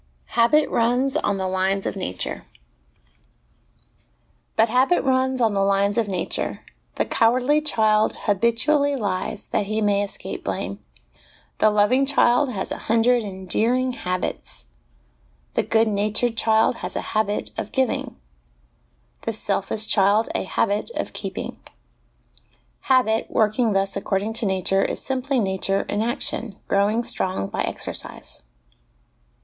Habit runs on the Lines of Nature. But habit runs on the lines of nature: the cowardly child habitu ally lies that he may escape blame ; the loving child has a hundred endearing habits ; the good natured child has a habit of giving ; the selfish child, a habit of keeping. Habit, working thus according to nature, is simply nature in action, growing strong by exercise.